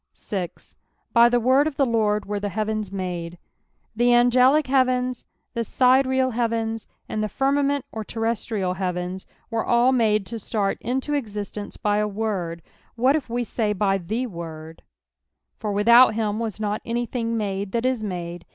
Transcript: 8. " By (A« word of tia Lord wera tlia lieaveni made." The angelio heavens, the sidereal heavens, and the firmament or terrestrial heavens, were all made to start into existence by a word ; wliat if we say by the Word, " For without him was tiot anything made that is made."